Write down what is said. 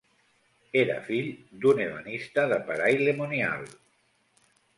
Era fill d'un ebenista de Paray-le-Monial.